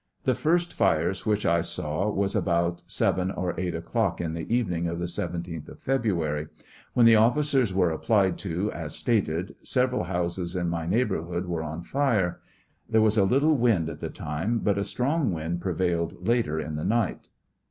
The first fires which I saw was about seven or eight o'clock in the evening of the 17th of February. When the officers were applied to as stated, several houses in my neighborhood were on fire. There was a little wind at the time, but a strong wind "prevailed later in the night.